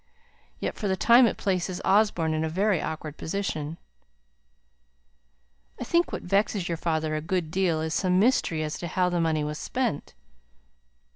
Yet for the time it places Osborne in a very awkward position." "I think what vexes your father a good deal is some mystery as to how the money was spent."